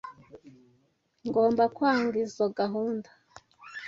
Ngomba kwanga izoi gahunda.